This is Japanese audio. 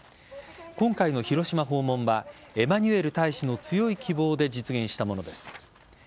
今回の広島訪問はエマニュエル大使の強い希望で実現したものです。